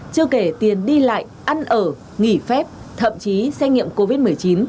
chưa kể tiền đi lại ăn ở nghỉ phép thậm chí xét nghiệm covid một mươi chín